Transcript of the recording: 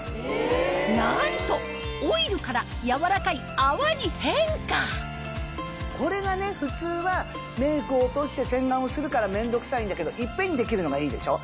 なんとこれがね普通はメイクを落として洗顔をするから面倒くさいんだけど一遍にできるのがいいでしょ？